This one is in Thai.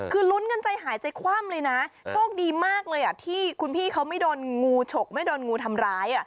คือลุ้นกันใจหายใจคว่ำเลยนะโชคดีมากเลยที่คุณพี่เขาไม่โดนงูฉกไม่โดนงูทำร้าย